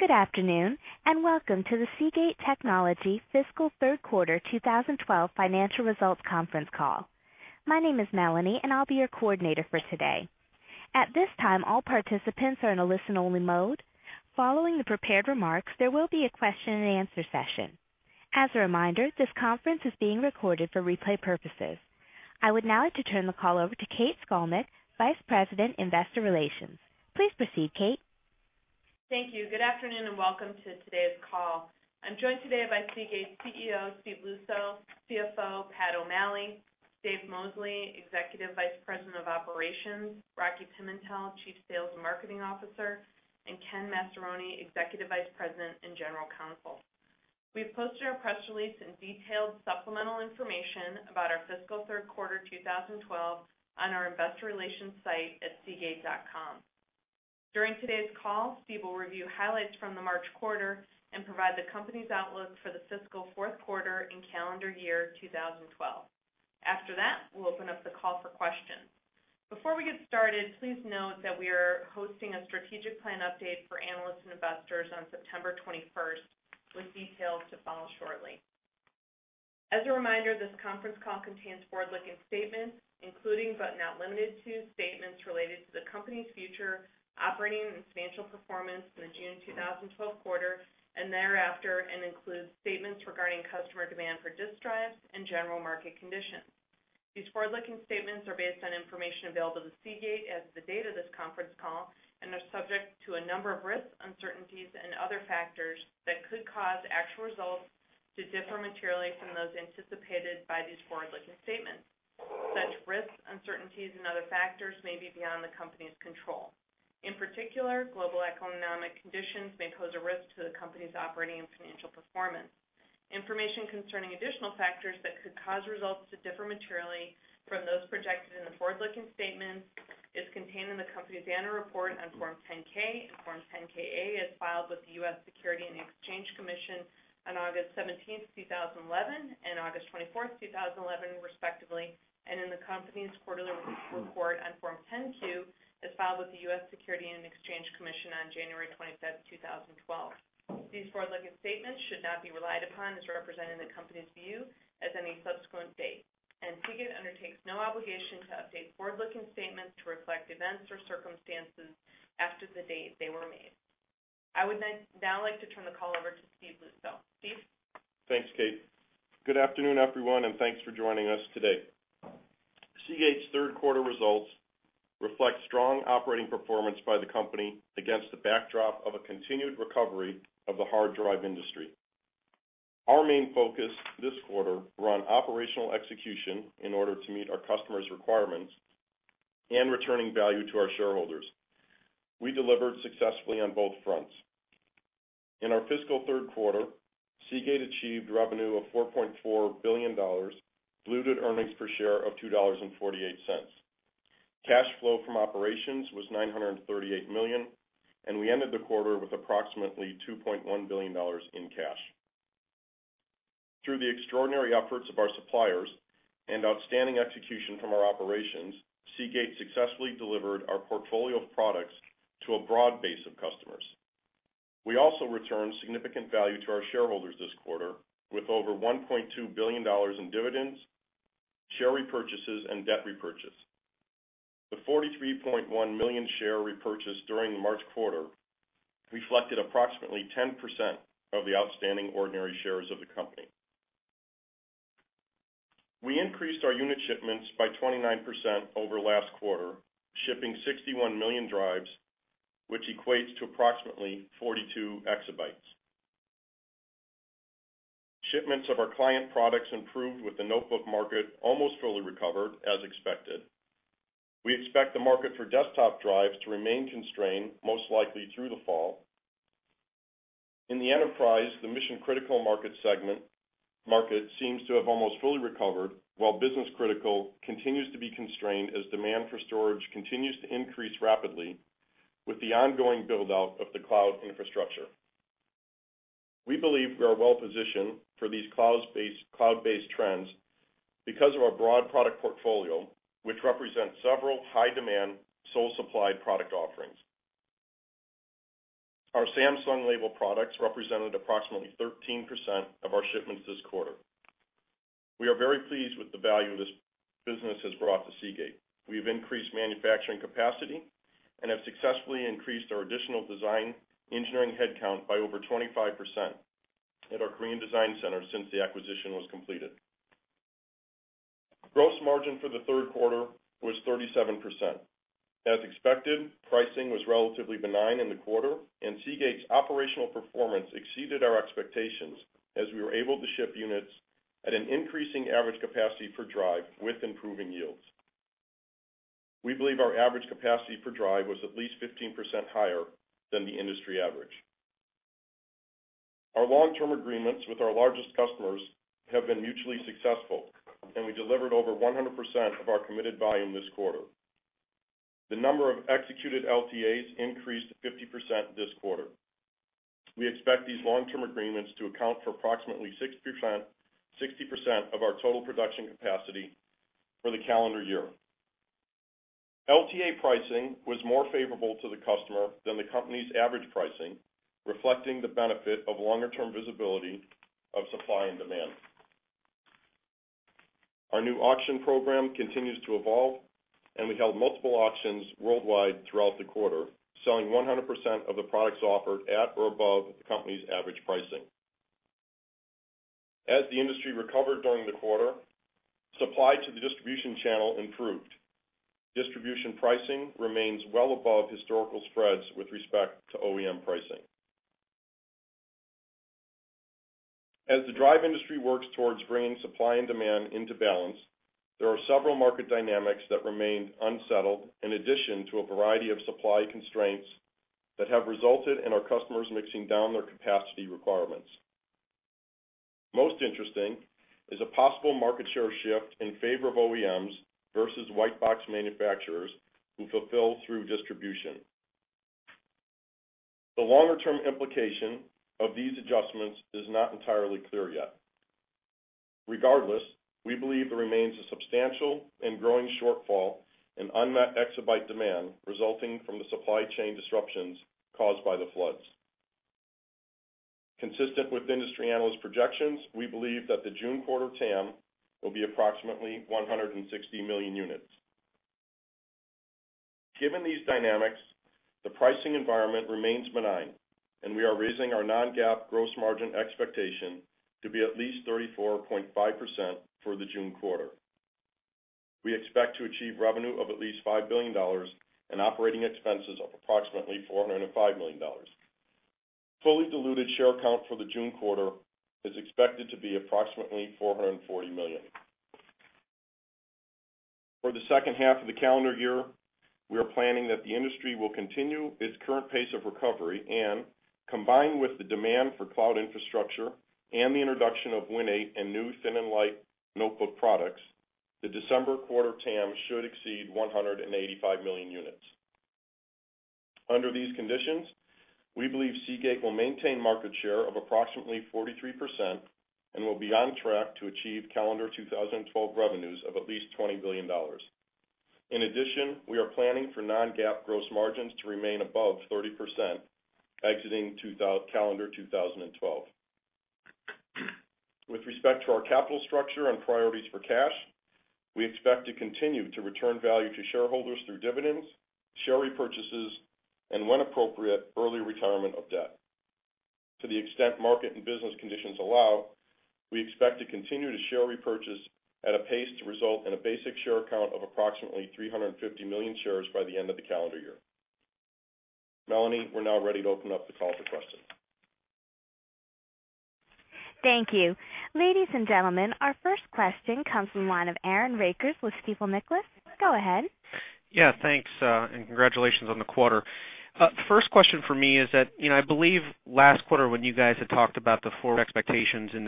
Good afternoon and welcome to the Seagate Technology Fiscal Third Quarter 2012 Financial Results Conference call. My name is Melanie, and I'll be your coordinator for today. At this time, all participants are in a listen-only mode. Following the prepared remarks, there will be a question-and-answer session. As a reminder, this conference is being recorded for replay purposes. I would now like to turn the call over to Kate Scolnick, Vice President, Investor Relations. Please proceed, Kate. Thank you. Good afternoon and welcome to today's call. I'm joined today by Seagate's CEO, Steve Luczo, CFO, Pat O'Malley, Dave Mosley, Executive Vice President of Operations, Rocky Pimentel, Chief Sales and Marketing Officer, and Ken Massaroni, Executive Vice President and General Counsel. We've posted our press release and detailed supplemental information about our fiscal third quarter 2012 on our Investor Relations site at seagate.com. During today's call, Steve will review highlights from the March quarter and provide the company's outlook for the fiscal fourth quarter and calendar year 2012. After that, we'll open up the call for questions. Before we get started, please note that we are hosting a strategic plan update for analysts and investors on September 21st, with details to follow shortly. As a reminder, this conference call contains forward-looking statements, including but not limited to statements related to the company's future operating and financial performance in the June 2012 quarter and thereafter, and includes statements regarding customer demand for disk drives and general market conditions. These forward-looking statements are based on information available to Seagate as of the date of this conference call and are subject to a number of risks, uncertainties, and other factors that could cause actual results to differ materially from those anticipated by these forward-looking statements. Such risks, uncertainties, and other factors may be beyond the company's control. In particular, global economic conditions may pose a risk to the company's operating and financial performance. Information concerning additional factors that could cause results to differ materially from those projected in the forward-looking statements is contained in the company's annual report on Form 10-K and Form 10-KA as filed with the U.S. Securities and Exchange Commission on August 17th, 2011, and August 24th, 2011, respectively, and in the company's quarterly report on Form 10-Q as filed with the U.S. Securities and Exchange Commission on January 25, 2012. These forward-looking statements should not be relied upon as representing the company's view as of any subsequent date, and Seagate undertakes no obligation to update forward-looking statements to reflect events or circumstances after the date they were made. I would now like to turn the call over to Steve Luczo. Steve? Thanks, Kate. Good afternoon, everyone, and thanks for joining us today. Seagate's third quarter results reflect strong operating performance by the company against the backdrop of a continued recovery of the hard drive industry. Our main focus this quarter was on operational execution in order to meet our customers' requirements and returning value to our shareholders. We delivered successfully on both fronts. In our fiscal third quarter, Seagate achieved revenue of $4.4 billion, diluted earnings per share of $2.48. Cash flow from operations was $938 million, and we ended the quarter with approximately $2.1 billion in cash. Through the extraordinary efforts of our suppliers and outstanding execution from our operations, Seagate successfully delivered our portfolio of products to a broad base of customers. We also returned significant value to our shareholders this quarter with over $1.2 billion in dividends, share repurchases, and debt repurchase. The $43.1 million share repurchase during the March quarter reflected approximately 10% of the outstanding ordinary shares of the company. We increased our unit shipments by 29% over last quarter, shipping 61 million drives, which equates to approximately 42 exabytes. Shipments of our client products improved with the notebook market almost fully recovered, as expected. We expect the market for desktop drives to remain constrained, most likely through the fall. In the enterprise, the mission-critical market segment seems to have almost fully recovered, while business-critical continues to be constrained as demand for storage continues to increase rapidly with the ongoing build-out of the cloud infrastructure. We believe we are well-positioned for these cloud-based trends because of our broad product portfolio, which represents several high-demand, sole-supplied product offerings. Our Samsung-labeled products represented approximately 13% of our shipments this quarter. We are very pleased with the value this business has brought to Seagate. We have increased manufacturing capacity and have successfully increased our additional design engineering headcount by over 25% at our Korean design center since the acquisition was completed. Gross margin for the third quarter was 37%. As expected, pricing was relatively benign in the quarter, and Seagate's operational performance exceeded our expectations as we were able to ship units at an increasing average capacity for drive with improving yields. We believe our average capacity for drive was at least 15% higher than the industry average. Our long-term agreements with our largest customers have been mutually successful, and we delivered over 100% of our committed volume this quarter. The number of executed LTAs increased 50% this quarter. We expect these long-term agreements to account for approximately 60% of our total production capacity for the calendar year. LTA pricing was more favorable to the customer than the company's average pricing, reflecting the benefit of longer-term visibility of supply and demand. Our new auction program continues to evolve, and we held multiple auctions worldwide throughout the quarter, selling 100% of the products offered at or above the company's average pricing. As the industry recovered during the quarter, supply to the distribution channel improved. Distribution pricing remains well above historical spreads with respect to OEM pricing. As the drive industry works towards bringing supply and demand into balance, there are several market dynamics that remained unsettled in addition to a variety of supply constraints that have resulted in our customers mixing down their capacity requirements. Most interesting is a possible market share shift in favor of OEMs versus white box manufacturers who fulfill through distribution. The longer-term implication of these adjustments is not entirely clear yet. Regardless, we believe there remains a substantial and growing shortfall in unmet exabyte demand resulting from the supply chain disruptions caused by the floods. Consistent with industry analyst projections, we believe that the June quarter TAM will be approximately 160 million units. Given these dynamics, the pricing environment remains benign, and we are raising our non-GAAP gross margin expectation to be at least 34.5% for the June quarter. We expect to achieve revenue of at least $5 billion and operating expenses of approximately $405 million. Fully diluted share count for the June quarter is expected to be approximately $440 million. For the second half of the calendar year, we are planning that the industry will continue its current pace of recovery and, combined with the demand for cloud infrastructure and the introduction of Win 8 and new thin and light notebook products, the December quarter TAM should exceed 185 million units. Under these conditions, we believe Seagate will maintain market share of approximately 43% and will be on track to achieve calendar 2012 revenues of at least $20 billion. In addition, we are planning for non-GAAP gross margins to remain above 30% exiting calendar 2012. With respect to our capital structure and priorities for cash, we expect to continue to return value to shareholders through dividends, share repurchases, and, when appropriate, early retirement of debt. To the extent market and business conditions allow, we expect to continue to share repurchase at a pace to result in a basic share count of approximately 350 million shares by the end of the calendar year. Melanie, we're now ready to open up the call for questions. Thank you. Ladies and gentlemen, our first question comes from the line of Aaron Rakers with Stifel Nicolaus. Go ahead. Yeah, thanks, and congratulations on the quarter. First question for me is that, you know, I believe last quarter when you guys had talked about the forward expectations in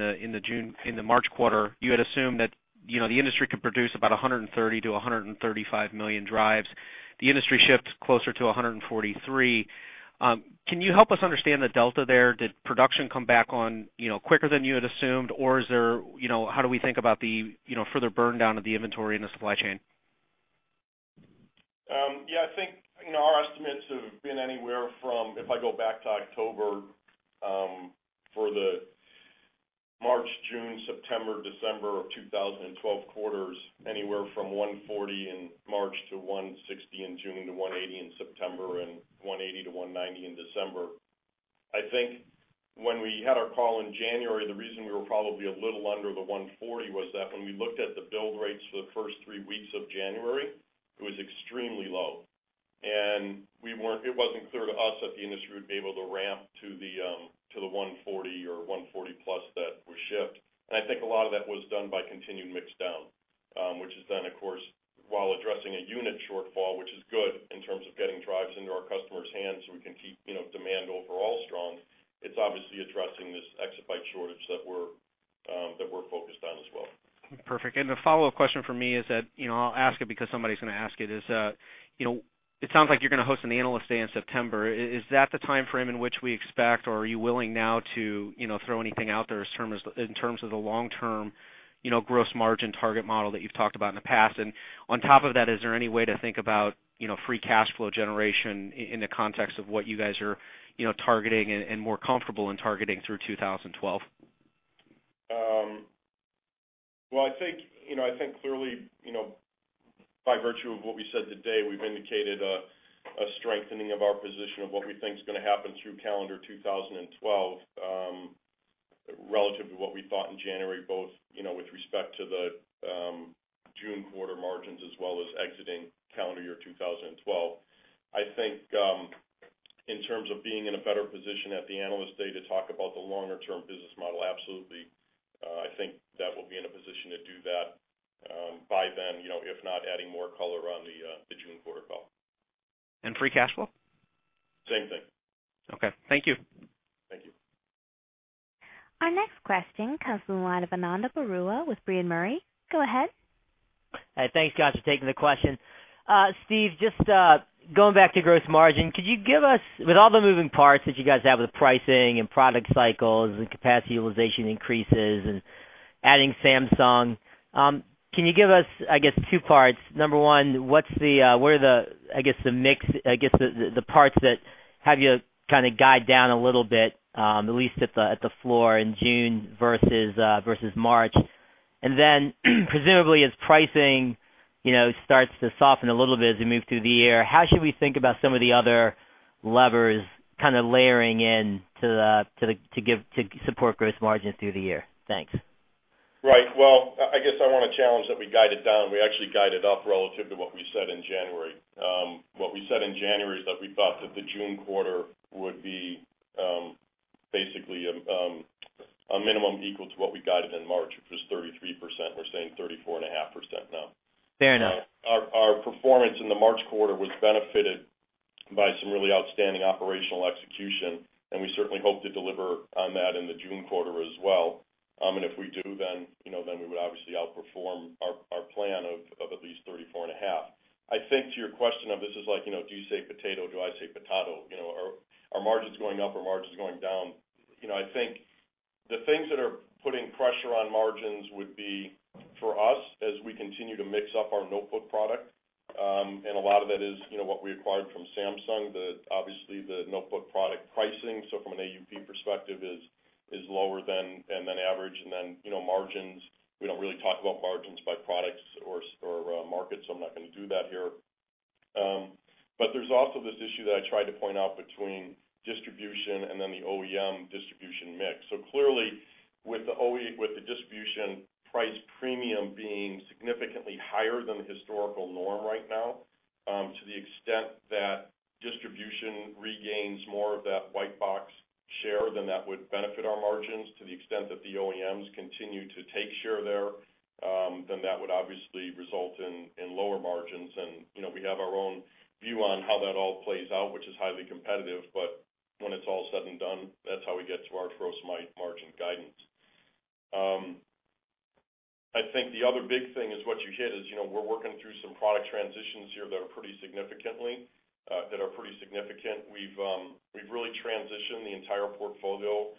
the March quarter, you had assumed that, you know, the industry could produce about 130 million-135 million drives. The industry shifted closer to 143 million. Can you help us understand the delta there? Did production come back on quicker than you had assumed, or is there, you know, how do we think about the further burn down of the inventory in the supply chain? Yeah, I think our estimates have been anywhere from, if I go back to October, for the March, June, September, December of 2012 quarters, anywhere from 140 million in March to 160 million in June, to 180 million in September, and 180 million-190 million in December. I think when we had our call in January, the reason we were probably a little under the 140 million was that when we looked at the build rates for the first three weeks of January, it was extremely low. It wasn't clear to us that the industry would be able to ramp to the 140 million or 140 million plus that was shipped. I think a lot of that was done by continued mix down, which is then, of course, while addressing a unit shortfall, which is good in terms of getting drives into our customers' hands so we can keep demand overall strong, it's obviously addressing this exabyte shortage that we're focused on as well. Perfect. A follow-up question for me is that, you know, I'll ask it because somebody's going to ask it. It sounds like you're going to host an analyst day in September. Is that the timeframe in which we expect, or are you willing now to throw anything out there in terms of the long-term gross margin target model that you've talked about in the past? On top of that, is there any way to think about free cash flow generation in the context of what you guys are targeting and more comfortable in targeting through 2012? I think clearly, by virtue of what we said today, we've indicated a strengthening of our position of what we think is going to happen through calendar 2012, relative to what we thought in January, both with respect to the June quarter margins as well as exiting calendar year 2012. I think, in terms of being in a better position at the analyst day to talk about the longer-term business model, absolutely, I think that we'll be in a position to do that by then, if not adding more color on the June quarter call. Free cash flow? Same thing. Okay, thank you. Thank you. Our next question comes from the line of Ananda Baruah with Baird. Go ahead. Hey, thanks, guys, for taking the question. Steve, just going back to gross margin, could you give us, with all the moving parts that you guys have with the pricing and product cycles and capacity utilization increases and adding Samsung, can you give us, I guess, two parts? Number one, what are the mix, the parts that have you kind of guide down a little bit, at least at the floor in June versus March? Presumably as pricing starts to soften a little bit as we move through the year, how should we think about some of the other levers kind of layering in to give, to support gross margins through the year? Thanks. Right. I guess I want to challenge that we guided down. We actually guided up relative to what we said in January. What we said in January is that we thought that the June quarter would be basically a minimum equal to what we guided in March, which was 33%. We're saying 34.5% now. Fair enough. Our performance in the March quarter was benefited by some really outstanding operational execution, and we certainly hope to deliver on that in the June quarter as well. If we do, then, you know, then we would obviously outperform our plan of at least 34.5%. I think to your question of this is like, you know, do you say potato? Do I say potato? You know, are margins going up or margins going down? I think the things that are putting pressure on margins would be for us as we continue to mix up our notebook product, and a lot of that is, you know, what we acquired from Samsung, the obviously the notebook product pricing. From an AUP perspective, it is lower than average. Margins, we don't really talk about margins by products or markets, so I'm not going to do that here. There's also this issue that I tried to point out between distribution and then the OEM distribution mix. Clearly, with the distribution price premium being significantly higher than the historical norm right now, to the extent that distribution regains more of that white box share, then that would benefit our margins. To the extent that the OEMs continue to take share there, then that would obviously result in lower margins. We have our own view on how that all plays out, which is highly competitive, but when it's all said and done, that's how we get to our gross margin guidance. I think the other big thing is what you hit is, you know, we're working through some product transitions here that are pretty significant. We've really transitioned the entire portfolio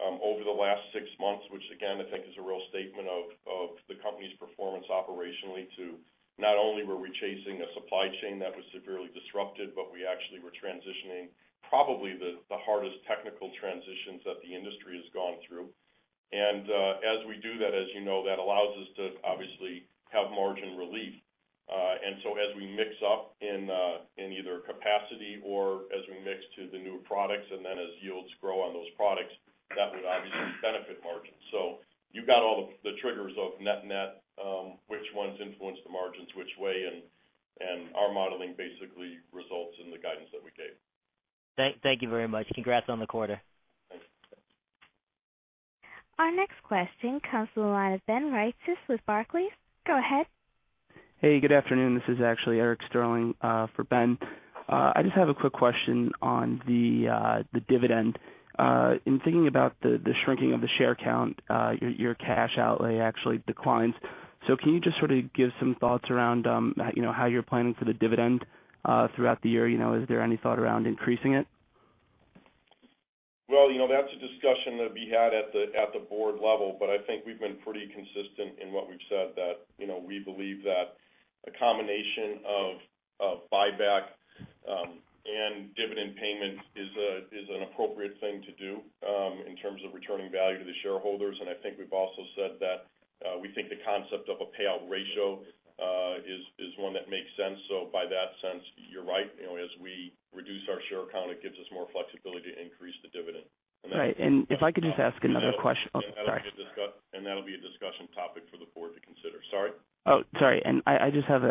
over the last six months, which again, I think is a real statement of the company's performance operationally. Not only were we chasing a supply chain that was severely disrupted, but we actually were transitioning probably the hardest technical transitions that the industry has gone through. As we do that, as you know, that allows us to obviously have margin relief. As we mix up in either capacity or as we mix to the new products, and then as yields grow on those products, that would obviously benefit margins. You've got all the triggers of net-net, which ones influence the margins which way, and our modeling basically results in the guidance that we gave. Thank you very much. Congrats on the quarter. Our next question comes from the line of Ben Reitzes with Barclays. Go ahead. Hey, good afternoon. This is actually Eric Sterling for Ben. I just have a quick question on the dividend. In thinking about the shrinking of the share count, your cash outlay actually declines. Can you just sort of give some thoughts around how you're planning for the dividend throughout the year? Is there any thought around increasing it? That's a discussion that we had at the board level, but I think we've been pretty consistent in what we've said that we believe that a combination of buyback and dividend payments is an appropriate thing to do, in terms of returning value to the shareholders. I think we've also said that we think the concept of a payout ratio is one that makes sense. By that sense, you're right. As we reduce our share count, it gives us more flexibility to increase the dividend. That's it. Right. If I could just ask another question. That'll be a discussion topic for the board to consider. Sorry. Sorry. I just have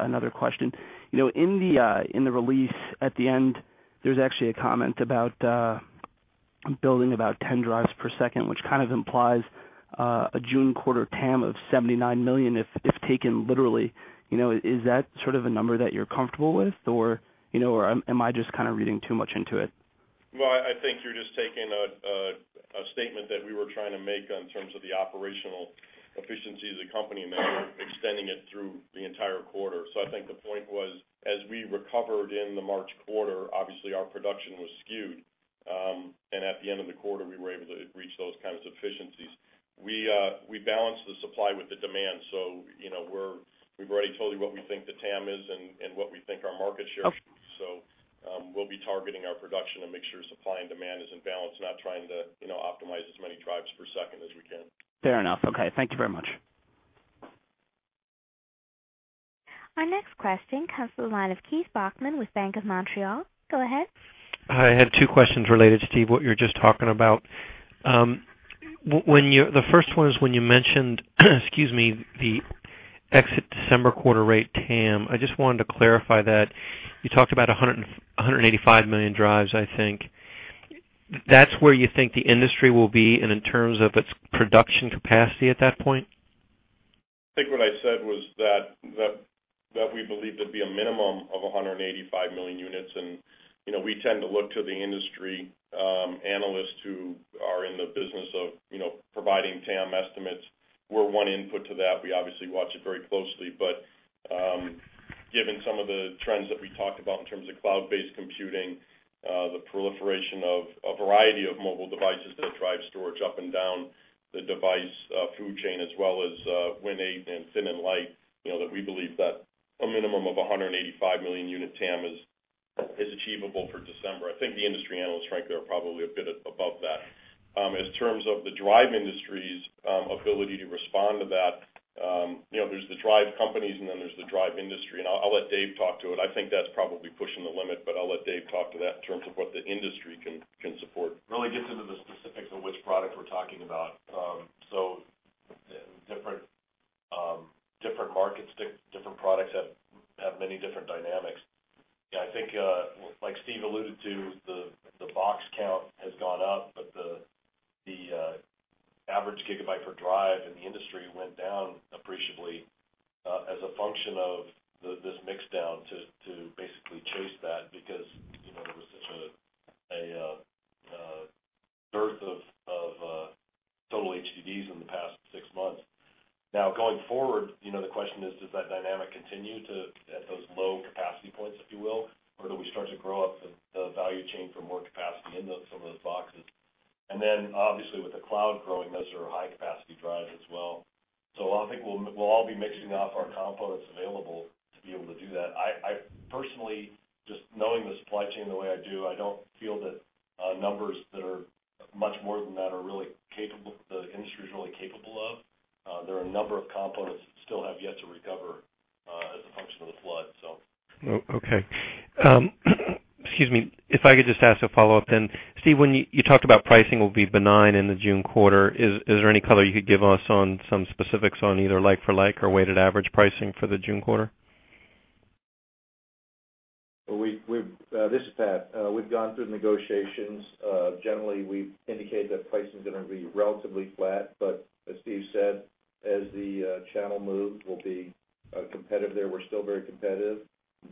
another question. In the release at the end, there's actually a comment about building about 10 drives per second, which kind of implies a June quarter TAM of 79 million if taken literally. Is that sort of a number that you're comfortable with, or am I just kind of reading too much into it? I think you're just taking a statement that we were trying to make in terms of the operational efficiency of the company and that we're extending it through the entire quarter. I think the point was, as we recovered in the March quarter, obviously, our production was skewed, and at the end of the quarter, we were able to reach those kinds of efficiencies. We balance the supply with the demand. We've already told you what we think the TAM is and what we think our market share should be. We'll be targeting our production and make sure supply and demand is in balance, not trying to optimize as many drives per second as we can. Fair enough. Okay, thank you very much. Our next question comes from the line of Keith Bachman with Bank of America. Go ahead. Hi. I had two questions related to Steve, what you were just talking about. The first one is when you mentioned the exit December quarter rate TAM. I just wanted to clarify that. You talked about 185 million drives, I think. That's where you think the industry will be in terms of its production capacity at that point? I think what I said was that we believe there'd be a minimum of 185 million units. We tend to look to the industry analysts who are in the business of providing TAM estimates. We're one input to that. We obviously watch it very closely. Given some of the trends that we talked about in terms of cloud-based computing, the proliferation of a variety of mobile devices that drive storage up and down the device food chain, as well as Win 8 and thin and light, we believe that a minimum of 185 million unit TAM is achievable for December. I think the industry analysts, frankly, are probably a bit above that. In terms of the drive industry's ability to respond to that, there's the drive companies, and then there's the drive industry. I'll let Dave talk to it. I think that's probably pushing the limit, but I'll let Dave talk to that in terms of what the industry can support. Really gets into the specifics of which product we're talking about. The different markets, different products have many different dynamics. Yeah, I think, like Steve alluded to, the box count has gone up, but the average gigabyte per drive in the industry went down appreciably, as a function of this mix down to basically chase that because, you know, there was such a dearth of total HDDs in the past six months. Now, going forward, the question is, does that dynamic continue at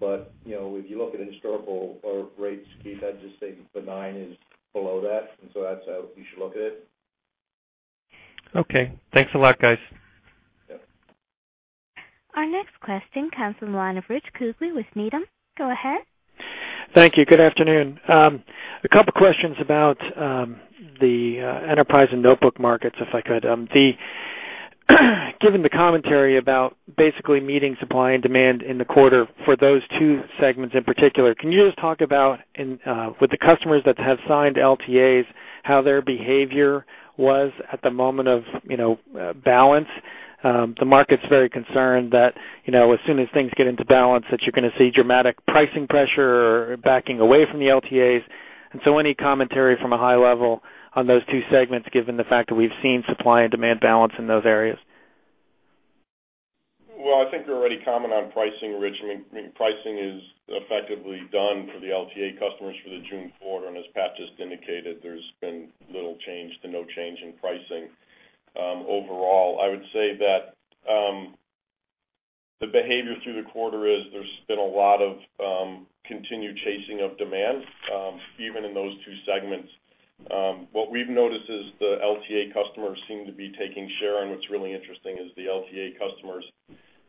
If you look at historical rates, Steve had just stated benign is below that, and so that's how you should look at it. Okay, thanks a lot, guys. Our next question comes from the line of Rich Coughlin with Needham. Go ahead. Thank you. Good afternoon. A couple of questions about the enterprise and notebook markets, if I could. Given the commentary about basically meeting supply and demand in the quarter for those two segments in particular, can you just talk about, with the customers that have signed LTAs, how their behavior was at the moment of balance? The market's very concerned that as soon as things get into balance, you're going to see dramatic pricing pressure or backing away from the LTAs. Any commentary from a high level on those two segments given the fact that we've seen supply and demand balance in those areas? I think you're already commenting on pricing, Rich. Pricing is effectively done for the LTA customers for the June quarter. As Pat just indicated, there's been little change to no change in pricing overall. I would say that the behavior through the quarter is there's been a lot of continued chasing of demand, even in those two segments. What we've noticed is the LTA customers seem to be taking share. What's really interesting is the LTA customers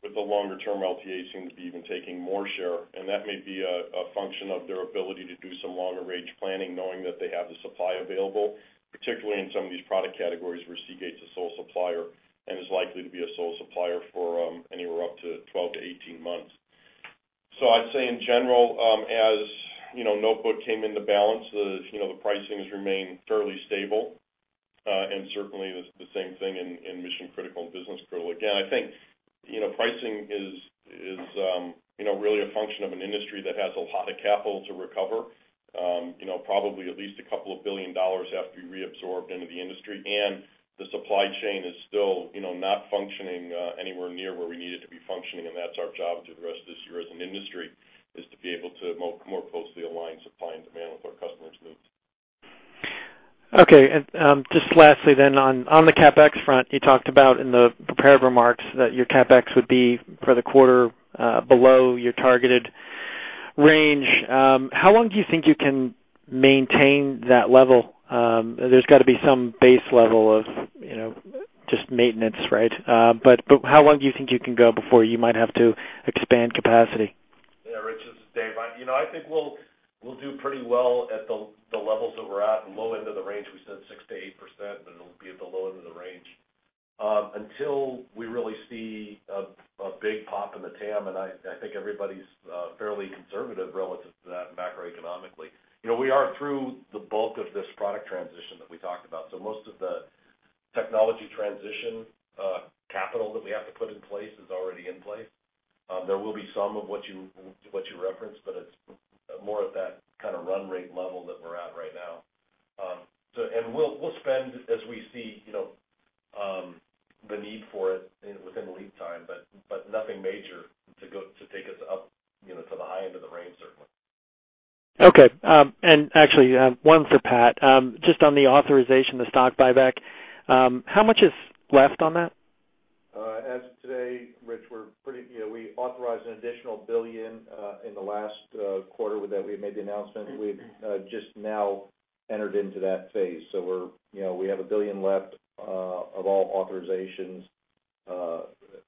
with the longer-term LTAs seem to be even taking more share. That may be a function of their ability to do some longer-range planning, knowing that they have the supply available, particularly in some of these product categories where Seagate's a sole supplier and is likely to be a sole supplier for anywhere up to 12-18 months. I'd say in general, as notebook came into balance, the pricing has remained fairly stable, and certainly the same thing in mission-critical and business-critical. I think pricing is really a function of an industry that has a lot of capital to recover. Probably at least a couple of billion dollars have to be reabsorbed into the industry. The supply chain is still not functioning anywhere near where we need it to be functioning. That's our job to do the rest of this year as an industry, to be able to more closely align supply and demand with our customers' needs. Okay. Just lastly, on the CapEx front, you talked about in the prepared remarks that your CapEx would be, for the quarter, below your targeted range. How long do you think you can maintain that level? There's got to be some base level of, you know, just maintenance, right? How long do you think you can go before you might have to expand capacity? Yeah, Rich, this is Dave. I think we'll do pretty well at the levels that we're at and low end of the range. We said 6%-8%, and it'll be at the low end of the range until we really see a big pop in the TAM. I think everybody's fairly conservative relative to that macroeconomically. We are through the bulk of this product transition that we talked about. Most of the technology transition capital that we have to put in place is already in place. There will be some of what you referenced, but it's more at that kind of run rate level that we're at right now. We'll spend as we see the need for it within the lead time, but nothing major to take us up to the high end of the range, certainly. Okay, you have one for Pat. Just on the authorization, the stock buyback, how much is left on that? As of today, Rich, we authorized an additional $1 billion in the last quarter when we made the announcement. We've just now entered into that phase. We have $1 billion left of all authorizations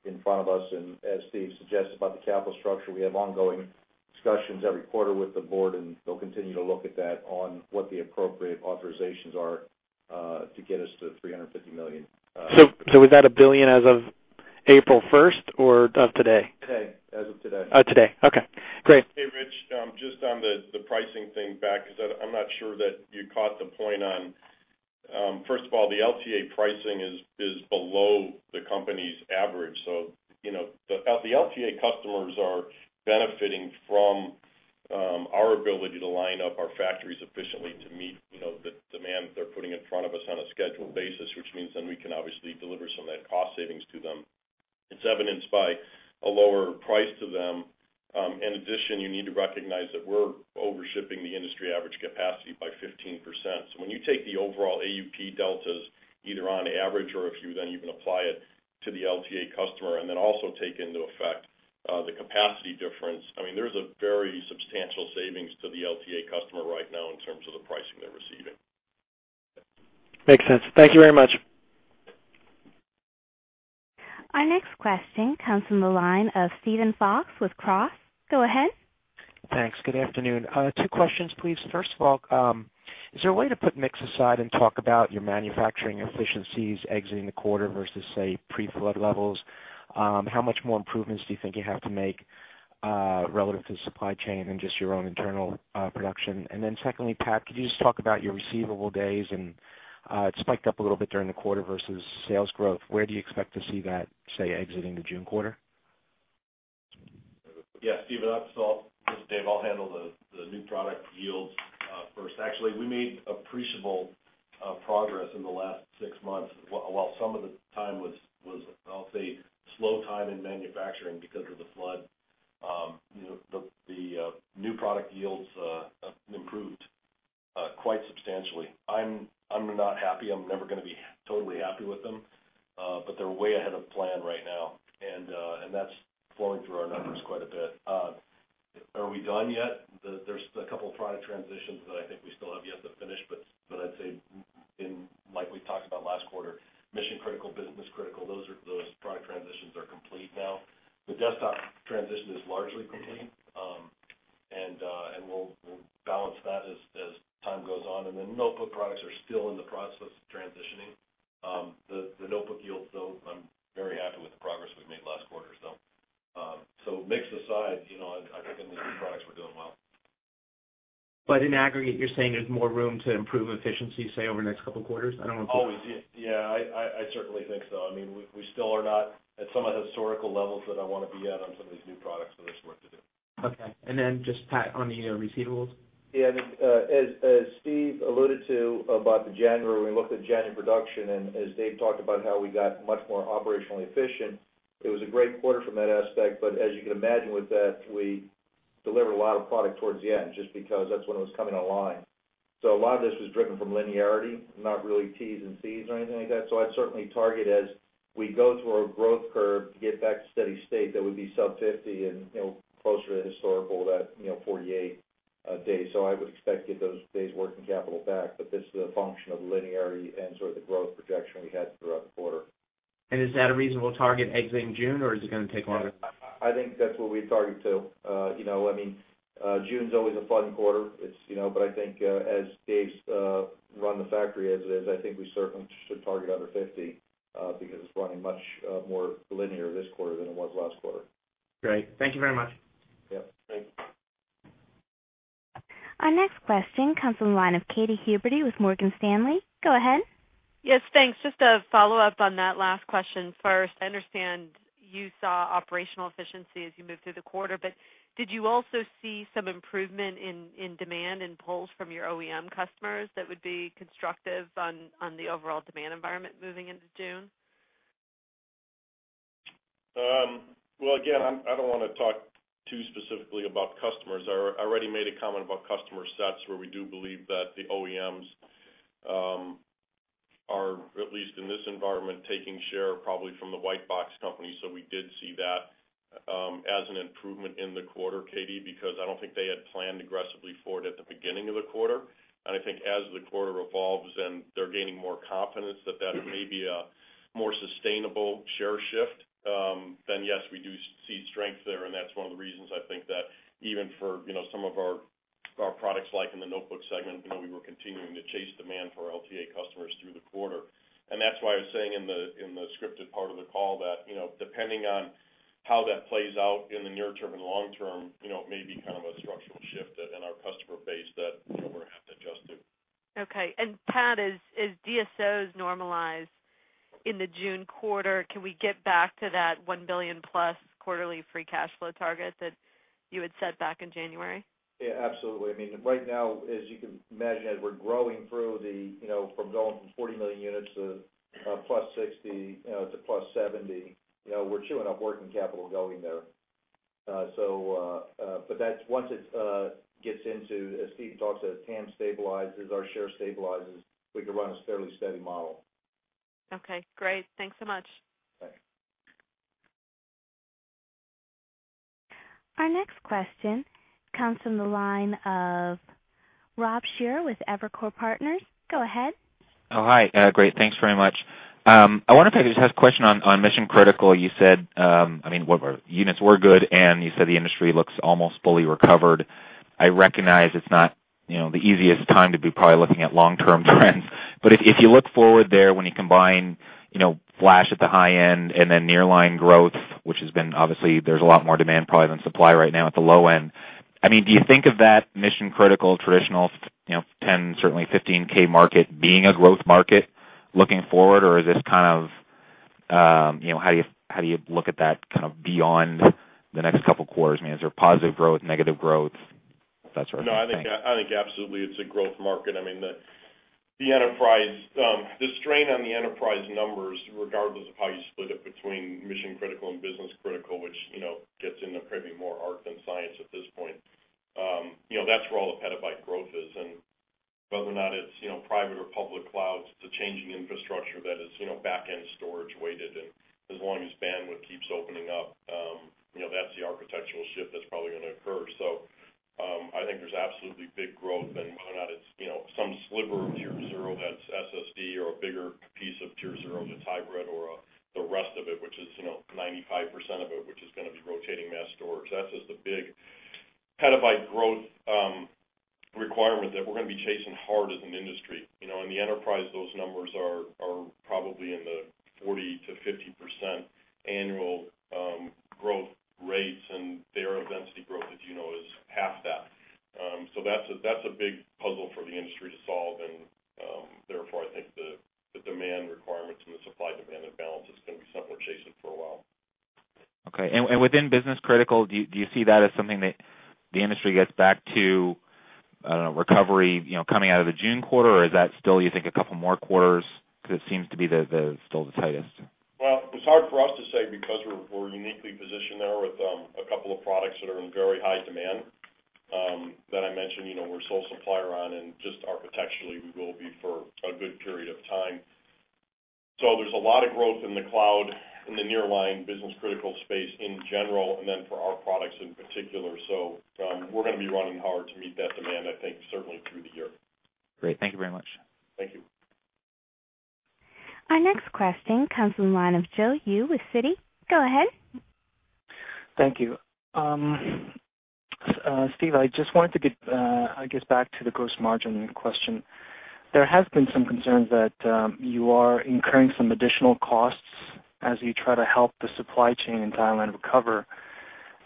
in front of us. As Steve suggested about the capital structure, we have ongoing discussions every quarter with the board, and they'll continue to look at that on what the appropriate authorizations are to get us to $350 million. Is that a billion as of April 1st or of today? Today, as of today. Oh, today. Okay. Great. Hey, Rich. Just on the pricing thing back, because I'm not sure that you caught the point on, first of all, the LTA pricing is below the company's average. The LTA customers are benefiting from our ability to line up our factories efficiently to meet the demand that they're putting in front of us on a scheduled basis, which means we can obviously deliver some of that cost savings to them. It's evidenced by a lower price to them. In addition, you need to recognize that we're overshipping the industry average capacity by 15%. When you take the overall AUP deltas either on average or if you then even apply it to the LTA customer and then also take into effect the capacity difference, there's a very substantial savings to the LTA customer right now in terms of the pricing they're receiving. Makes sense. Thank you very much. Our next question comes from the line of Stephen Fox with Cross. Go ahead. Thanks. Good afternoon. Two questions, please. First of all, is there a way to put mix aside and talk about your manufacturing efficiencies exiting the quarter versus, say, pre-flood levels? How much more improvements do you think you have to make, relative to the supply chain and just your own internal production? Secondly, Pat, could you just talk about your receivable days? It spiked up a little bit during the quarter versus sales growth. Where do you expect to see that, say, exiting the June quarter? Yeah, Steve, that's all, this is Dave. I'll handle the new product yields first. Actually, we made appreciable progress in the last six months. While some of the time was slow time in manufacturing because of the flood, the new product yields improved quite substantially. I'm not happy. I'm never going to be totally happy with them, but they're way ahead of plan right now, and that's flowing through our numbers quite a bit. Are we done yet? There's a couple of product transitions that I think we still have yet delivered a lot of product towards the end just because that's when it was coming online. A lot of this was driven from linearity, not really Ts & Cs or anything like that. I'd certainly target as we go through our growth curve to get back to steady state, that would be sub 50 and, you know, closer to historical, that, you know, 48 days. I would expect to get those days working capital back. This is a function of the linearity and sort of the growth projection we had throughout the quarter. Is that a reasonable target exiting June, or is it going to take longer? I think that's what we'd target too. June's always a fun quarter. I think as Dave's run the factory as it is, we certainly should target under 50 because it's running much more linear this quarter than it was last quarter. Great. Thank you very much. Our next question comes from the line of Katy Huberty with Morgan Stanley. Go ahead. Yes, thanks. Just a follow-up on that last question. First, I understand you saw operational efficiency as you moved through the quarter, but did you also see some improvement in demand and pulls from your OEM customers that would be constructive on the overall demand environment moving into June? I don't want to talk too specifically about customers. I already made a comment about customer sets where we do believe that the OEMs are, at least in this environment, taking share probably from the white box companies. We did see that as an improvement in the quarter, Katie, because I don't think they had planned aggressively for it at the beginning of the quarter. I think as the quarter evolves and they're gaining more confidence that that may be a more sustainable share shift, then yes, we do see strength there. That's one of the reasons I think that even for, you know, some of our products like in the notebook segment, we were continuing to chase demand for our LTA customers through the quarter. That's why I was saying in the scripted part of the call that, depending on how that plays out in the near term and long term, it may be kind of a structural shift in our customer base that we're going to have to adjust to. Okay. Pat, as DSOs normalize in the June quarter, can we get back to that $1 billion plus quarterly free cash flow target that you had set back in January? Yeah, absolutely. I mean, right now, as you can imagine, as we're growing through, you know, from going from 40 million units to plus 60, you know, to plus 70, you know, we're chewing up working capital going there. That's once it gets into, as Steve talks to us, TAM stabilizes, our share stabilizes, we can run a fairly steady model. Okay. Great. Thanks so much. Our next question comes from the line of Rob Scherer with Evercore ISI. Go ahead. Oh, hi. Great, thanks very much. I wonder if I could just ask a question on mission-critical. You said, I mean, what units were good, and you said the industry looks almost fully recovered. I recognize it's not, you know, the easiest time to be probably looking at long-term trends. If you look forward there, when you combine, you know, flash at the high end and then nearline growth, which has been obviously, there's a lot more demand probably than supply right now at the low end. Do you think of that mission-critical traditional, you know, 10,000 certainly 15,000 market being a growth market looking forward, or is this kind of, you know, how do you look at that kind of beyond the next couple of quarters? Is there positive growth, negative growth, that sort of thing? I think absolutely it's a growth market. I mean, the enterprise, the strain on the enterprise numbers, regardless of how you split it between mission-critical and business-critical, which gets into maybe more art than science at this point, that's where all the petabyte growth is. Whether or not it's private or public clouds, it's a changing infrastructure that is backend storage weighted. As long as bandwidth keeps opening up, that's the architectural shift that's probably going to occur. I think there's absolutely big growth. Whether or not it's some sliver of Tier 0 that's SSD or a bigger piece of Tier 0 that's hybrid or the rest of it, which is 95% of it, which is going to be rotating mass storage, that's just a big petabyte growth requirement that we're going to be chasing hard as an industry. In the enterprise, those numbers are probably in the 40%-50% annual growth rates, and their density growth, as you know, is half that. That's a big puzzle for the industry to solve. Therefore, I think the demand requirements and the supply-demand imbalances can be something we're chasing for a while. Okay. Within business-critical, do you see that as something that the industry gets back to, I don't know, recovery, coming out of the June quarter, or is that still, you think, a couple more quarters? It seems to be still the tightest. It's hard for us to say because we're uniquely positioned there with a couple of products that are in very high demand, that I mentioned, you know, we're a sole supplier on, and just architecturally, we will be for a good period of time. There is a lot of growth in the cloud, in the nearline business-critical space in general, and then for our products in particular. We're going to be running hard to meet that demand, I think, certainly through the year. Great. Thank you very much. Thank you. Our next question comes from the line of Joe Yu with Citi. Go ahead. Thank you. Steve, I just wanted to get back to the gross margin question. There has been some concern that you are incurring some additional costs as you try to help the supply chain in Thailand recover.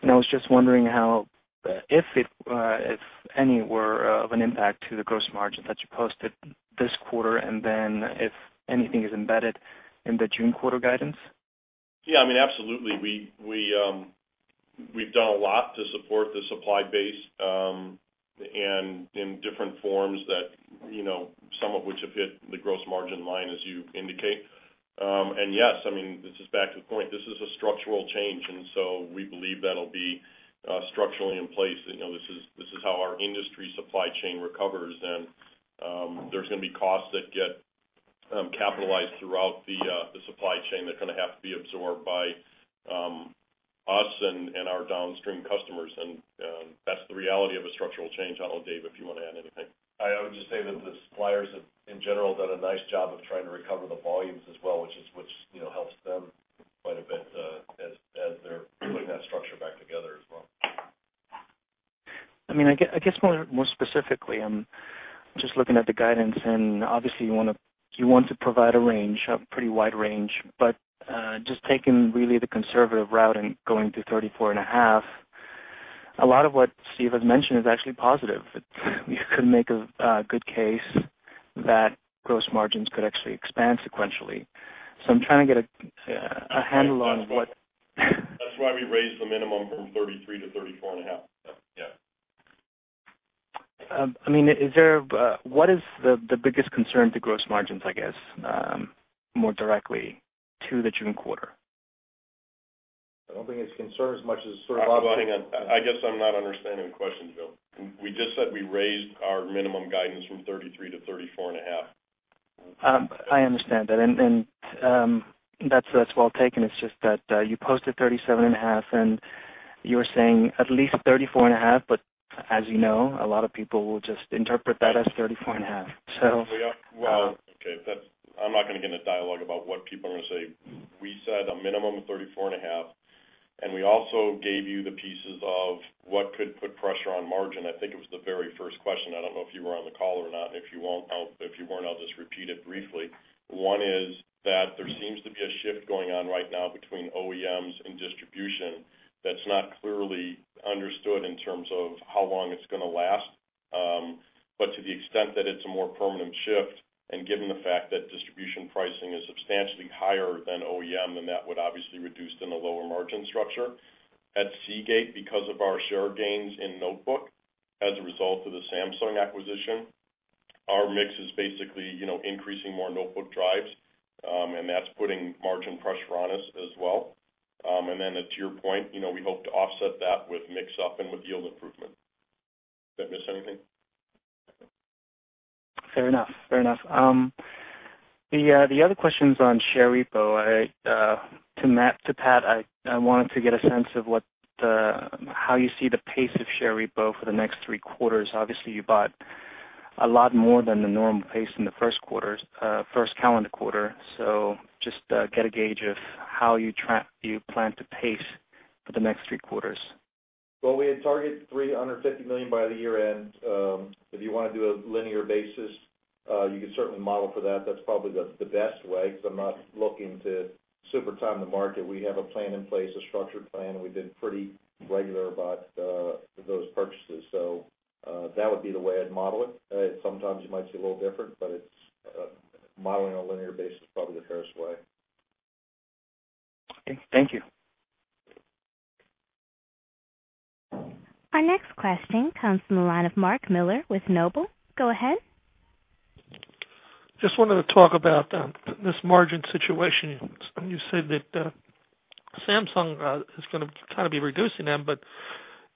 I was just wondering if it, if any, were of an impact to the gross margin that you posted this quarter and if anything is embedded in the June quarter guidance? Yeah, I mean, absolutely. We've done a lot to support the supply base, and in different forms that, you know, some of which have hit the gross margin line, as you indicate. Yes, I mean, this is back to the point. This is a structural change. We believe that'll be structurally in place. You know, this is how our industry supply chain recovers. There's going to be costs that get capitalized throughout the supply chain that are going to have to be absorbed by us and our downstream customers. That's the reality of a structural change. I don't know, Dave, if you want to add anything. I would just say that the suppliers have, in general, done a nice job of trying to recover the volumes as well, which helps them quite a bit as they're putting that structure back together as well. I mean, I guess more specifically, I'm just looking at the guidance. Obviously, you want to provide a range, a pretty wide range. Just taking really the conservative route and going to 34.5%, a lot of what Steve has mentioned is actually positive. You could make a good case that gross margins could actually expand sequentially. I'm trying to get a handle on what. That's why we raised the minimum from 33% to 34.5%. Yeah. I mean, is there, what is the biggest concern to gross margins, I guess, more directly to the June quarter? I don't think it's a concern as much as sort of. I guess I'm not understanding the question, Joe. We just said we raised our minimum guidance from 33%-34.5%. I understand that. That's well taken. It's just that you posted 37.5%, and you were saying at least 34.5%, but as you know, a lot of people will just interpret that as 34.5%. Okay. I'm not going to get into dialogue about what people are going to say. We said a minimum of 34.5%. We also gave you the pieces of what could put pressure on margin. I think it was the very first question. I don't know if you were on the call or not. If you weren't, I'll just repeat it briefly. One is that there seems to be a shift going on right now between OEMs and distribution that's not clearly understood in terms of how long it's going to last. To the extent that it's a more permanent shift, and given the fact that distribution pricing is substantially higher than OEM, that would obviously result in the lower margin structure. At Seagate, because of our share gains in notebook as a result of the Samsung acquisition, our mix is basically increasing more notebook drives, and that's putting margin pressure on us as well. To your point, we hope to offset that with mix-up and with yield improvement. Did I miss anything? Fair enough. The other question is on share repurchases. Pat, I wanted to get a sense of how you see the pace of share repurchases for the next three quarters. Obviously, you bought a lot more than the normal pace in the first quarter, first calendar quarter. Just get a gauge of how you plan to pace for the next three quarters. We had target $350 million by the year-end. If you want to do a linear basis, you could certainly model for that. That's probably the best way because I'm not looking to super time the market. We have a plan in place, a structured plan, and we've been pretty regular about those purchases. That would be the way I'd model it. Sometimes you might see a little different, but modeling on a linear basis is probably the fairest way. Okay, thank you. Our next question comes from the line of Mark Miller with Noble. Go ahead. Just wanted to talk about this margin situation. You said that Samsung is going to kind of be reducing them, but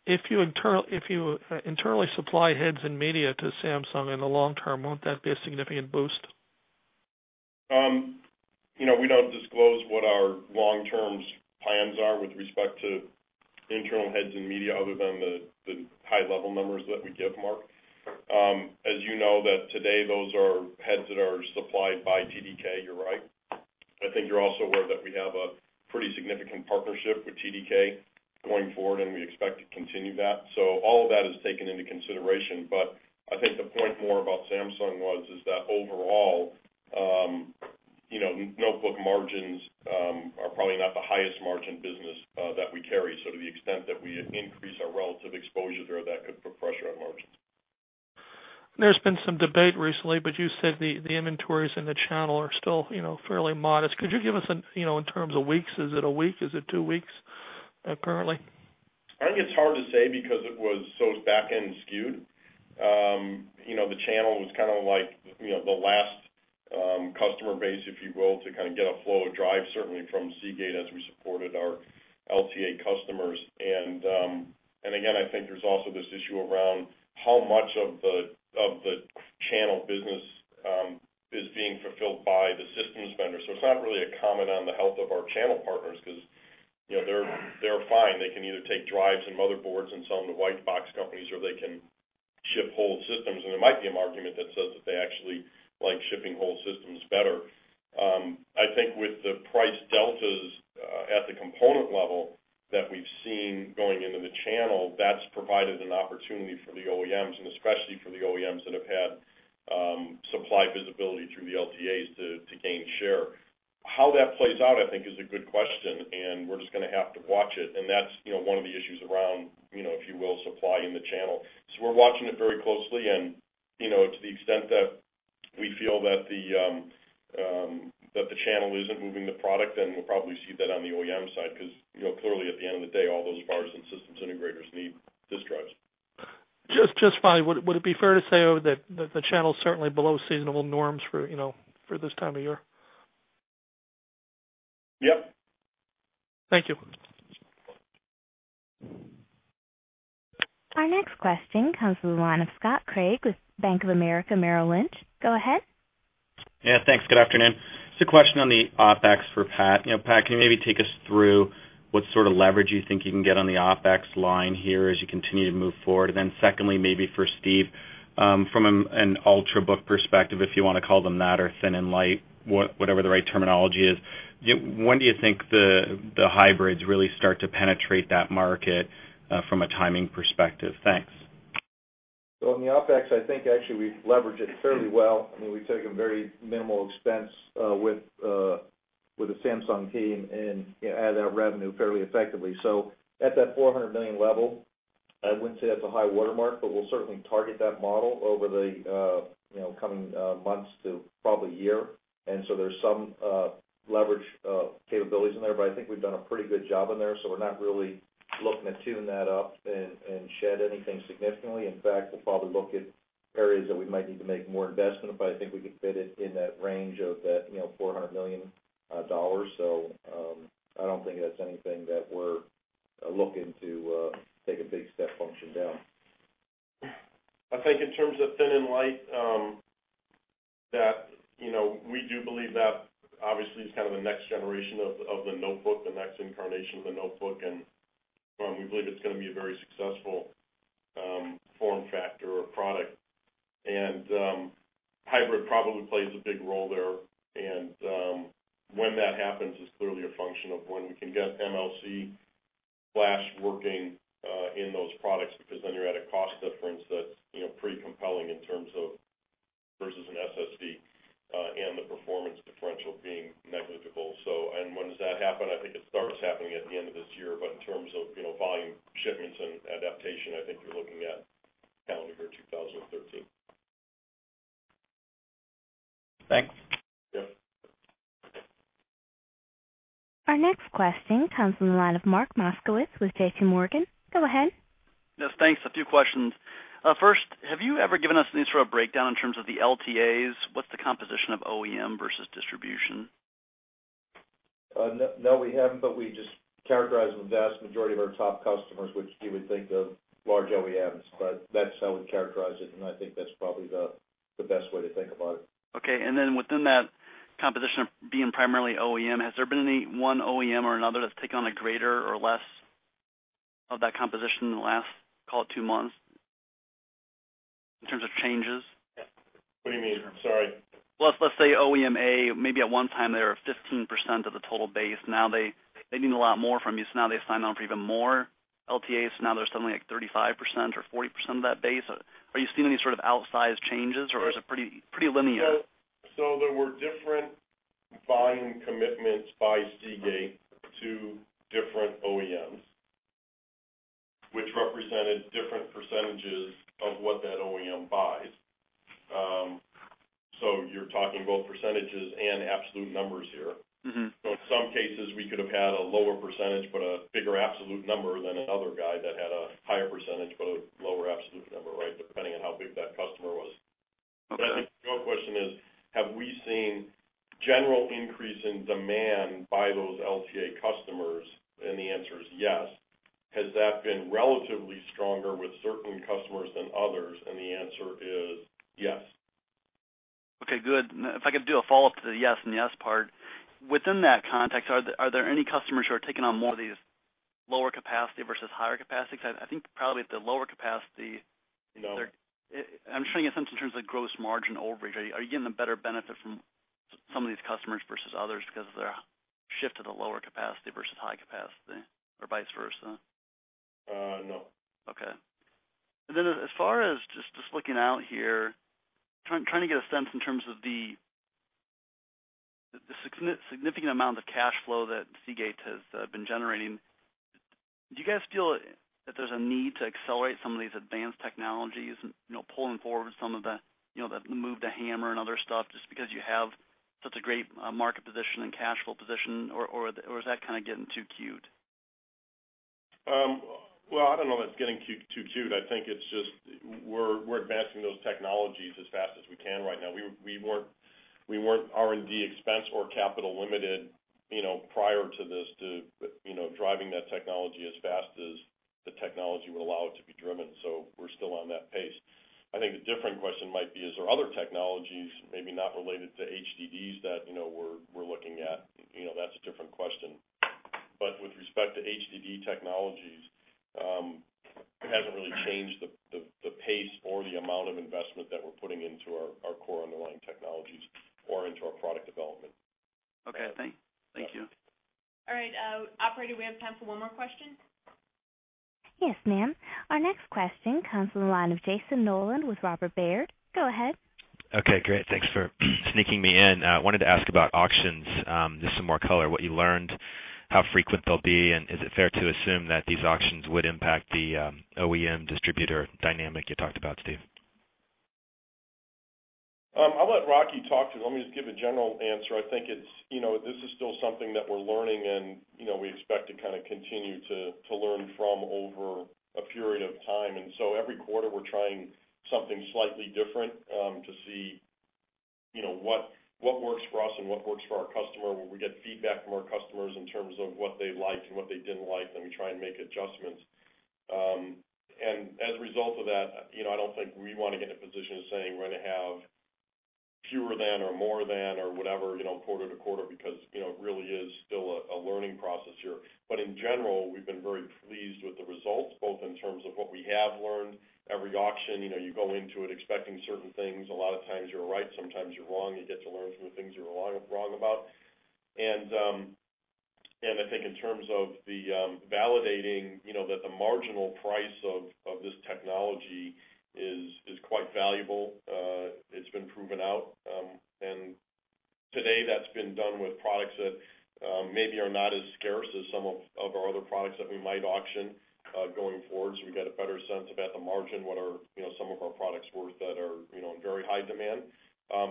if you internally supply heads and media to Samsung in the long term, won't that be a significant boost? We don't disclose what our long-term plans are with respect to internal heads and media other than the high-level numbers that we give Mark. As you know, today, those are heads that are supplied by TDK, you're right. I think you're also aware that we have a pretty significant partnership with TDK going forward, and we expect to continue that. All of that is taken into consideration. I think the point more about Samsung was that overall, notebook margins are probably not the highest margin business that we carry. To the extent that we increase our relative exposure there, that could put pressure on margins. There's been some debate recently, but you said the inventories in the channel are still, you know, fairly modest. Could you give us a, you know, in terms of weeks, is it a week? Is it two weeks, currently? I think it's hard to say because it was so back-end skewed. The channel was kind of like the last customer base, if you will, to kind of get a flow of drive, certainly from Seagate as we supported our LCA customers. I think there's also this issue around how much of the channel business is being fulfilled by the systems vendor. It's not really a comment on the health of our channel partners because they're fine. They can either take drives and motherboards and sell them to white box companies, or they can ship whole systems. There might be an argument that says that they actually like shipping whole systems better. I think with the price deltas at the component level that we've seen going into the channel, that's provided an opportunity for the OEMs, and especially for the OEMs that have had supply visibility through the LTAs to gain share. How that plays out, I think, is a good question, and we're just going to have to watch it. That's one of the issues around, if you will, supply in the channel. We're watching it very closely. To the extent that we feel that the channel isn't moving the product, then we'll probably see that on the OEM side because, clearly, at the end of the day, all those bars and systems integrators need disk drives. Would it be fair to say that the channel is certainly below seasonal norms for this time of year? Yep. Thank you. Our next question comes from the line of Scott Craig with Bank of America Merrill Lynch. Go ahead. Yeah, thanks. Good afternoon. Just a question on the OpEx for Pat. Pat, can you maybe take us through what sort of leverage you think you can get on the OpEx line here as you continue to move forward? Secondly, maybe for Steve, from an ultra-book perspective, if you want to call them that, or thin and light, whatever the right terminology is, when do you think the hybrids really start to penetrate that market, from a timing perspective? Thanks. In the OpEx, I think actually we leverage it fairly well. I mean, we take a very minimal expense with the Samsung team and, you know, add that revenue fairly effectively. At that $400 million level, I wouldn't say that's a high watermark, but we'll certainly target that model over the coming months to probably a year. There are some leverage capabilities in there, but I think we've done a pretty good job in there. We're not really looking to tune that up and shed anything significantly. In fact, we'll probably look at areas that we might need to make more investment, but I think we could fit it in that range of that $400 million. I don't think that's anything that we're looking to take a big step function down. I think in terms of thin and light, we do believe that obviously is kind of the next generation of the notebook, the next incarnation of the notebook. We believe it's going to be a very successful form factor or product. Hybrid probably plays a big role there. When that happens is clearly a function of when we can get MLC flash working in those products because then you're at a cost difference that's pretty compelling in terms of versus an SSD, and the performance differential being negligible. When does that happen? I think it starts happening at the end of this year. In terms of volume shipments and adaptation, I think you're looking at calendar year 2013. Thanks. Our next question comes from the line of Mark Moskowitz with JP Morgan. Go ahead. Yes, thanks. A few questions. First, have you ever given us any sort of breakdown in terms of the LTAs? What's the composition of OEM versus distribution? No, we haven't, but we just characterize them as the vast majority of our top customers, which you would think of as large OEMs. That's how we'd characterize it. I think that's probably the best way to think about it. Okay. Within that composition of being primarily OEM, has there been any one OEM or another that's taken on a greater or less of that composition in the last, call it, two months in terms of changes? What do you mean? I'm sorry. Let's say OEM A, maybe at one time they were 15% of the total base. Now they need a lot more from you. Now they sign on for even more LTAs. Now they're suddenly at 35% or 40% of that base. Are you seeing any sort of outsized changes, or is it pretty linear? There were different volume commitments by Seagate to different OEMs, which represented different % of what that OEM buys. You're talking both percentage and absolute numbers here. In some cases, we could have had a lower percentage, but a bigger absolute number than another guy that had a higher percentage, but a lower absolute number, right, depending on how big that customer was. I think your question is, have we seen a general increase in demand by those LTA customers? The answer is yes. Has that been relatively stronger with certain customers than others? The answer is yes. Okay. Good. If I could do a follow-up to the yes and yes part. Within that context, are there any customers who are taking on more of these lower capacity versus higher capacity? Because I think probably at the lower capacity, you know, I'm trying to get a sense in terms of the gross margin overage. Are you getting a better benefit from some of these customers versus others because of their shift to the lower capacity versus high capacity or vice versa? No. Okay. As far as just looking out here, trying to get a sense in terms of the significant amount of cash flow that Seagate has been generating, do you guys feel that there's a need to accelerate some of these advanced technologies and, you know, pulling forward some of the, you know, the move to HAMR and other stuff just because you have such a great market position and cash flow position, or is that kind of getting too cute? I don't know if it's getting too cute. I think it's just we're advancing those technologies as fast as we can right now. We weren't R&D expense or capital limited prior to this to driving that technology as fast as the technology would allow it to be driven. We're still on that pace. I think the different question might be, is there other technologies, maybe not related to HDDs, that we're looking at? That's a different question. With respect to HDD technologies, it hasn't really changed the pace or the amount of investment that we're putting into our core underlying technologies or into our product development. Okay, thank you. All right. Operator, we have time for one more question. Yes, ma'am. Our next question comes from the line of Jason Nolan with Robert Baird. Go ahead. Okay. Great. Thanks for sneaking me in. I wanted to ask about auctions. Just some more color, what you learned, how frequent they'll be, and is it fair to assume that these auctions would impact the OEM distributor dynamic you talked about, Steve? I'll let Rocky talk to it. Let me just give a general answer. I think it's, you know, this is still something that we're learning, and we expect to kind of continue to learn from over a period of time. Every quarter, we're trying something slightly different to see what works for us and what works for our customer. When we get feedback from our customers in terms of what they liked and what they didn't like, we try and make adjustments. As a result of that, I don't think we want to get in a position of saying we're going to have fewer than or more than or whatever quarter to quarter because it really is still a learning process here. In general, we've been very pleased with the results, both in terms of what we have learned. Every auction, you go into it expecting certain things. A lot of times, you're right. Sometimes you're wrong. You get to learn from the things you were wrong about. I think in terms of validating that the marginal price of this technology is quite valuable, it's been proven out. Today, that's been done with products that maybe are not as scarce as some of our other products that we might auction going forward. We've got a better sense of at the margin what are some of our products worth that are in very high demand.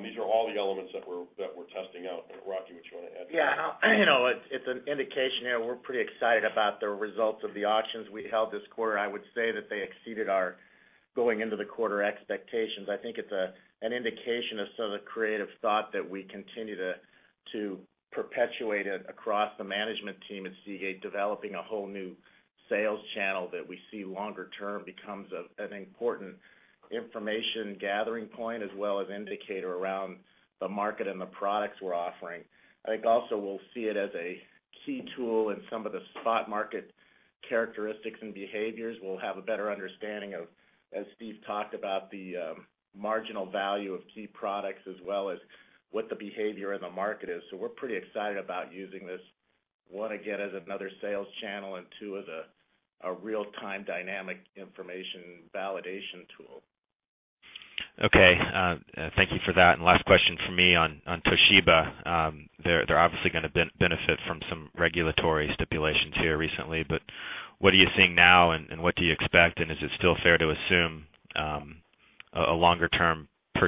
These are all the elements that we're testing out. Rocky, what do you want to add to that? Yeah. It's an indication here. We're pretty excited about the results of the auctions we held this quarter. I would say that they exceeded our going into the quarter expectations. I think it's an indication of some of the creative thought that we continue to perpetuate across the management team at Seagate, developing a whole new sales channel that we see longer term becomes an important information gathering point as well as an indicator around the market and the products we're offering. I think also we'll see it as a key tool in some of the spot market characteristics and behaviors. We'll have a better understanding of, as Steve talked about, the marginal value of key products as well as what the behavior in the market is. We're pretty excited about using this, one, again, as another sales channel and, two, as a real-time dynamic information validation tool. Okay, thank you for that. Last question for me on Toshiba. They're obviously going to benefit from some regulatory stipulations here recently, but what are you seeing now and what do you expect? Is it still fair to assume a longer-term %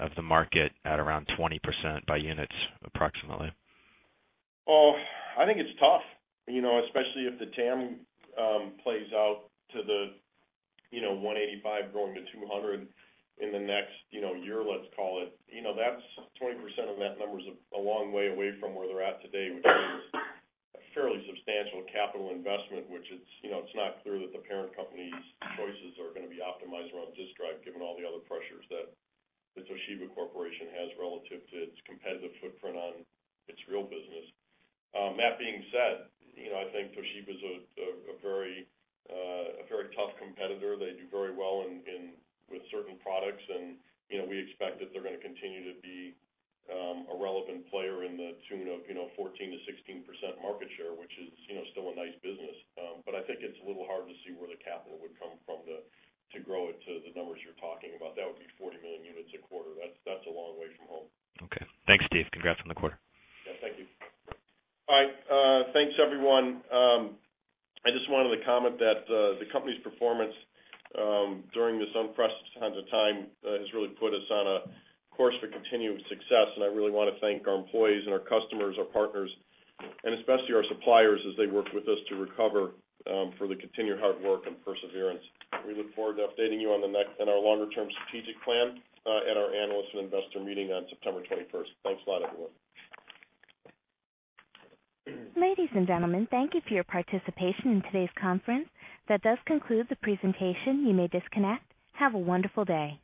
of the market at around 20% by units approximately? I think it's tough, you know, especially if the TAM plays out to the, you know, 185 growing to 200 in the next, you know, year, let's call it. That's 20% of that number, which is a long way away from where they're at today, which is a fairly substantial capital investment. It's not clear that the parent company's prices are going to be optimized around disk drive, given all the other pressures that the Toshiba Corporation has relative to its competitive footprint on its real business. That being said, I think Toshiba is a very tough competitor. They do very well with certain products. You know, we expect that they're going to continue to be a relevant player in the tune of, you know, 14-16% market share, which is still a nice business. I think it's a little hard to see where the capital would come from to grow it to the numbers you're talking about. That would be 40 million units a quarter. That's a long way from home. Okay. Thanks, Steve. Congrats on the quarter. Yeah, thank you. All right, thanks, everyone. I just wanted to comment that the company's performance during this unprecedented time has really put us on a course for continued success. I really want to thank our employees and our customers, our partners, and especially our suppliers as they worked with us to recover, for the continued hard work and perseverance. We look forward to updating you on the next and our longer-term strategic plan at our analyst and investor meeting on September 21st. Thanks a lot, everyone. Ladies and gentlemen, thank you for your participation in today's conference. That does conclude the presentation. You may disconnect. Have a wonderful day.